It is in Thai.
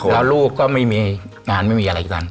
แล้วลูกก็ไม่มีงานไม่มีอะไรกัน